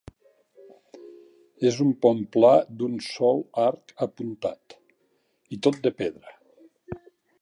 És un pont pla d'un sol arc apuntat, i tot de pedra.